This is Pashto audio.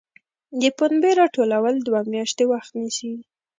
د پنبې راټولول دوه میاشتې وخت نیسي.